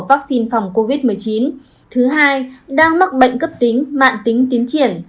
vaccine phòng covid một mươi chín thứ hai đang mắc bệnh cấp tính mạng tính tiến triển